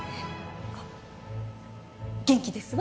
あっ元気ですわ。